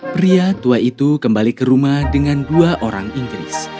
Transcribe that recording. pria tua itu kembali ke rumah dengan dua orang inggris